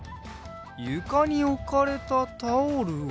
ゆかにおかれたタオルを？